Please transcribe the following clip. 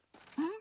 ん？